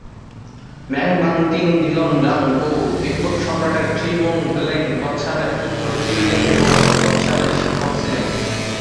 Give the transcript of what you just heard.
ম্যাং-বান-তিং-'দ্জিন-ব্জাং-পো তিব্বত সম্রাট খ্রি-স্রোং-ল্দে-ব্ত্সানের পুত্র খ্রি-ল্দে-স্রোং-ব্ত্সানের শিক্ষক ছিলেন।